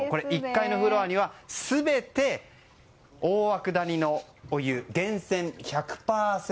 １階のフロアには全て、大涌谷のお湯源泉１００％です。